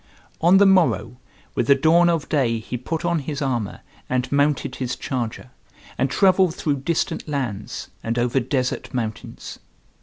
On the morrow with the dawn of day he put on his armor, and mounted his charger, and travelled through distant lands, and over desert mountains.